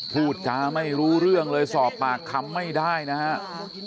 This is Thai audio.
พูดจาไม่รู้เรื่องเลยสอบปากคำไม่ได้นะครับ